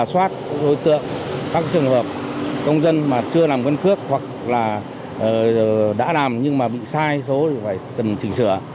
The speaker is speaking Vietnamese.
các trường hợp công dân mà chưa làm căn cước hoặc là đã làm nhưng mà bị sai số thì phải cần chỉnh sửa